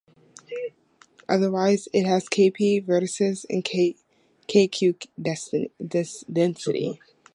Otherwise it has "kp" vertices and "kq" density.